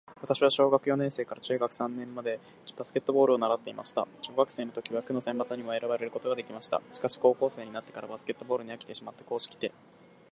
私は小学四年生から中学三年生までバスケットボールを習っていました。小学生の時は区の選抜にも選ばれることができました。しかし、高校生になってからバスケットボールに飽きてしまって硬式テニス部に入部しました。